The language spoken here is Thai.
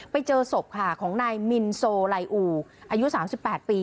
ไปเจอศพค่ะของนายมินโซไลอูอายุสามสิบแปดปี